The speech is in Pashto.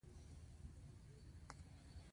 دا هرڅه به د زړه په سترګو منې.